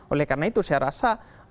oleh karena itu saya rasa